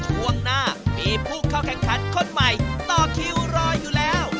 ช่วงหน้ามีผู้เข้าแข่งขันคนใหม่ต่อคิวรออยู่แล้ว